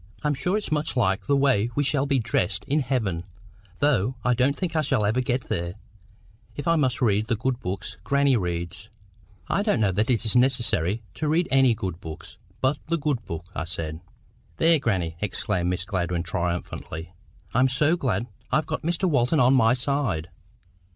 I'm sure it's much liker the way we shall be dressed in heaven, though I don't think I shall ever get there, if I must read the good books grannie reads." "I don't know that it is necessary to read any good books but the good book," I said. "There, grannie!" exclaimed Miss Gladwyn, triumphantly. "I'm so glad I've got Mr Walton on my side!"